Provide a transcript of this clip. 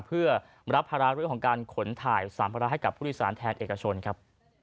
เพื่อรับภาระเรื่องของการขนถ่ายสัมภาระให้กับผู้โดยสารแทนเอกชนครับ